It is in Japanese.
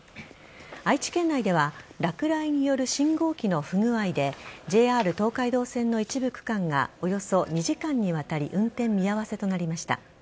愛知県内では落雷による信号機の不具合でＪＲ東海道線の一部区間がおよそ２時間にわたり運転見合わせとなりました。